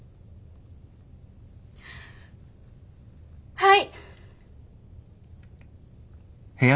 はい！